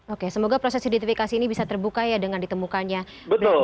oke semoga proses identifikasi ini bisa terbuka ya dengan ditemukannya black box